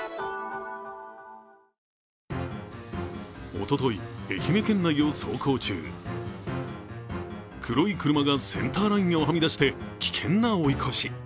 おととい、愛媛県内を走行中黒い車がセンターラインをはみ出して危険な追い越し。